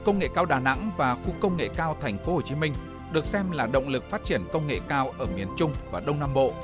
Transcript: công nghệ cao đà nẵng và khu công nghệ cao thành phố hồ chí minh được xem là động lực phát triển công nghệ cao ở miền trung và đông nam bộ